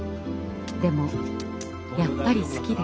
でもやっぱり好きでした。